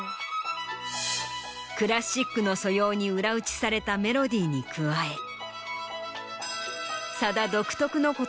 クラシックの素養に裏打ちされたメロディーに加えさだ独特の言葉選びで生み出された曲は